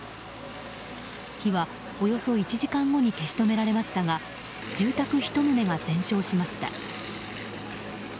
火はおよそ１時間後に消し止められましたが住宅１棟が全焼しました。